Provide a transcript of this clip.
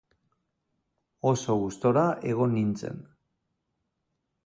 Oso gustura egon nintzen.